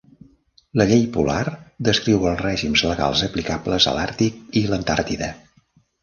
La llei polar descriu els règims legals aplicables a l'Àrtic i l'Antàrtida.